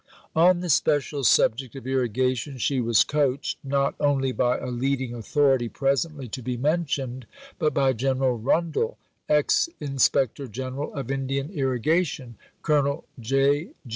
On the special subject of irrigation, she was "coached," not only by a leading authority presently to be mentioned, but by General Rundall (ex Inspectorgeneral of Indian irrigation), Colonel J.